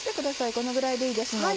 このぐらいでいいですので。